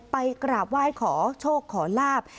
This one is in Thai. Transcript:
ไปกราบไหว้ขอโชคขอลาบ